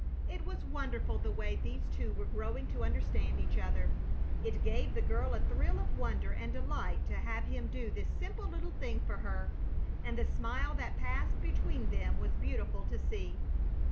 It was wonderful the way these two were growing to understand each other. It gave the girl a thrill of wonder and delight to have him do this simple little thing for her, and the smile that passed between them was beautiful to see.